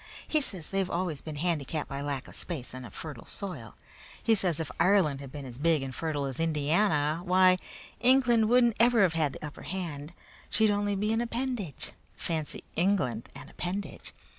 He says they've always been handicapped by lack of space and of fertile soil. He says if Ireland had been as big and fertile as Indiana, why, England wouldn't ever have had the upper hand. She'd only be an appendage. Fancy England an appendage!